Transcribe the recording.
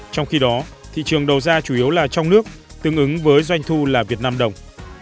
trong khi đó thị trường đầu ra chủ yếu là trong nước tương ứng với doanh thu là việt nam đồng